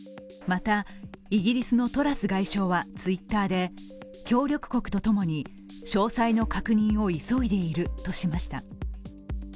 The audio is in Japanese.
またイギリスのトラス外相はＴｗｉｔｔｅｒで協力国とともに詳細の確認を急いでいるとしました。